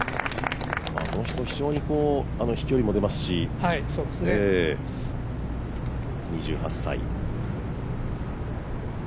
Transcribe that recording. この人、非常に飛距離も出ますし、２８歳。